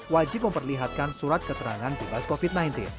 wajib memperlihatkan surat keterangan di pas covid sembilan belas